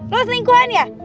lo harus lingkuhan ya